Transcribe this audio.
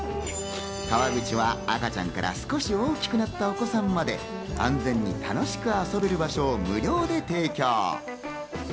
川口は赤ちゃんから少し大きくなったお子さんまで安全に楽しく遊べる場所を無料で提供。